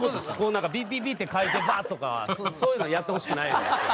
なんかビッビッビッて書いてバッとかはそういうのはやってほしくないんですよ。